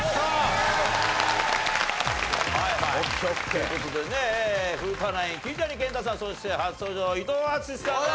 という事でね古田ナイン桐谷健太さんそして初登場伊藤淳史さんです。